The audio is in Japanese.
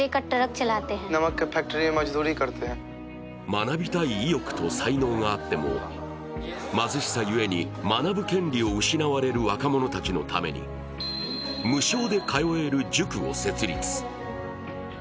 学びたい意欲と才能があっても貧しさゆえに学ぶ権利を失われる若者たちのために無償で通える塾を設立。